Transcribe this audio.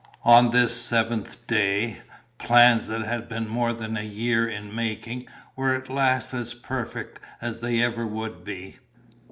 On this seventh day, plans that had been more than a year in the making were at last as perfect as they ever would be.